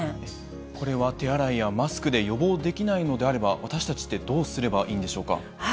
これは手洗いやマスクで予防できないのであれば、私たちってどうすればいいんでしょうか。